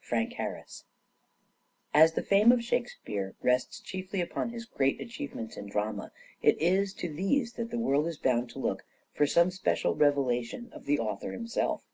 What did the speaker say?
FRANK HARRIS. As the fame of Shakespeare rests chiefly upon his shake great achievements in drama, it is to these that the sPe^re's con tern world is bound to look for some special revelation of poraries in the author himself.